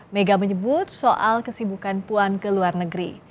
mega menyebut soal kesibukan puan ke luar negeri